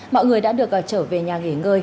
mọi người đã được trở về nhà nghỉ ngơi